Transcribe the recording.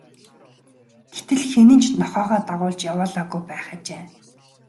Гэтэл хэн нь ч нохойгоо дагуулж явуулаагүй байх ажээ.